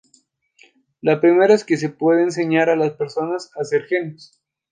La primera es que se puede enseñar a las personas a ser genios.